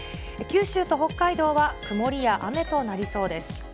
九州と北海道は曇りや雨となりそうです。